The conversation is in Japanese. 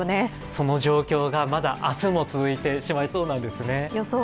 その状況がまだ明日も続いてしまいそうなんですね。